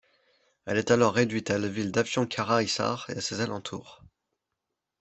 Elle est alors réduite à la ville d’Afyonkarahisar et à ses alentours.